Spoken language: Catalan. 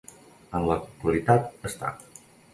En l'actualitat està.